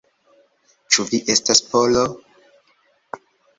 Ĉu vi estas Polo?